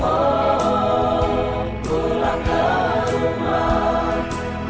oh pulang ke rumah